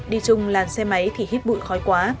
đi chung làn xe máy thì hít bụi khói quá